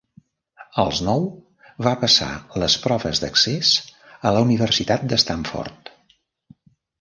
Als nou, va passar les proves d'accés de la Universitat de Stanford.